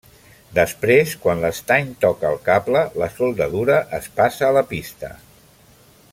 Després, quan l'estany toca el cable, la soldadura es passa a la pista.